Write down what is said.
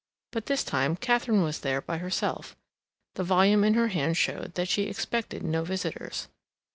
But this time Katharine was there by herself; the volume in her hand showed that she expected no visitors.